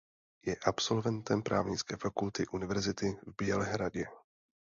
Je absolventem Právnické Fakulty Univerzity v Bělehradě.